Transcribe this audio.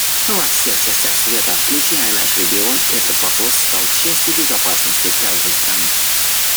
Во всех частях света, включая наш регион, этот вопрос стал частью безопасности каждой страны.